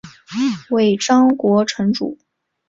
尾张国城主。